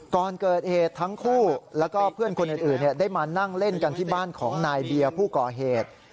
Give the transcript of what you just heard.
ก่อนเกิดเหตุทั้งคู่แล้วก็เพื่อนคนอื่นได้มานั่งเล่นกันที่บ้านของนายเบียร์ผู้ก่อเหตุ